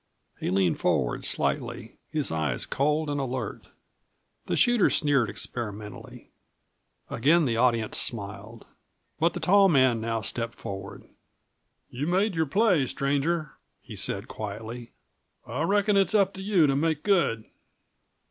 He leaned forward slightly, his eyes cold and alert. The shooter sneered experimentally. Again the audience smiled. But the tall man now stepped forward. "You've made your play, stranger," he said quietly. "I reckon it's up to you to make good."